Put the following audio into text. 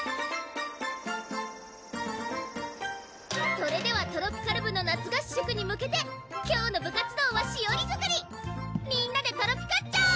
それではトロピカる部の夏合宿に向けて今日の部活動はしおり作りみんなでトロピカっちゃおう！